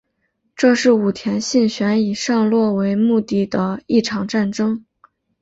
这是武田信玄以上洛为目的的一场战争。